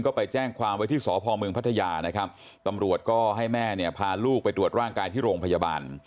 ก็ไปแจ้งความว่าที่สพมพัทยาตำรวจก็ให้แม่พาลูกไปตรวจร่างกายที่โรงพยาบาล